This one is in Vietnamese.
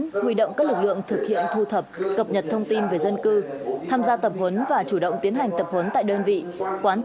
huy động các lực lượng thực hiện thu thập cập nhật thông tin về dân cư